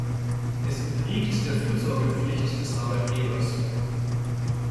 Es obliegt der Fürsorgepflicht des Arbeitgebers.